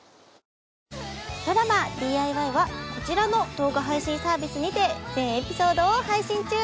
ドラマ「ＤＩＹ‼」はこちらの動画配信サービスにて全エピソードを配信中！